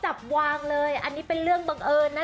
จับวางเลยอันนี้เป็นเรื่องบังเอิญนะ